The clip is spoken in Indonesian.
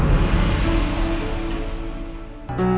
ada yang perlu papa bicarakan sama kamu